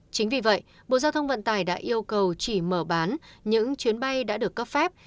chính vì vậy bộ giao thông vận tải đã yêu cầu chỉ mở bán những chuyến bay đã được cấp phép